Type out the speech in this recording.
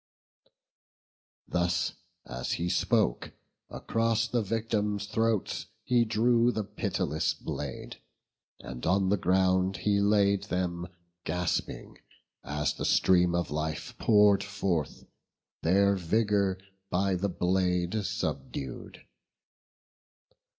Thus as he spoke, across the victims' throats He drew the pitiless blade, and on the ground He laid them gasping, as the stream of life Pour'd forth, their vigour by the blade subdued.